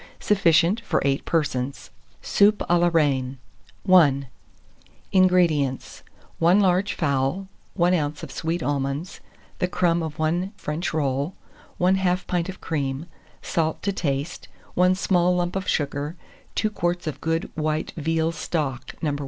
Sufficient for 8 persons. SOUP A LA REINE. I. 183. INGREDIENTS. 1 large fowl, 1 oz. of sweet almonds, the crumb of 1 1/2 French roll, 1/2 pint of cream, salt to taste, 1 small lump of sugar, 2 quarts of good white veal stock, No.